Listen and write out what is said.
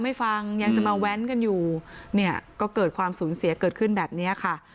ไม่ฟังยังจะมาแว้นกันอยู่เนี่ยก็เกิดความสูญเสียเกิดขึ้นแบบนี้ค่ะ